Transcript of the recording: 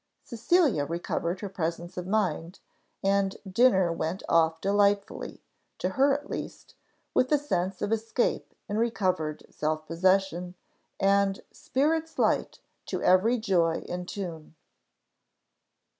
Cecilia recovered her presence of mind, and dinner went off delightfully, to her at least, with the sense of escape in recovered self possession, and "spirits light, to every joy in tune."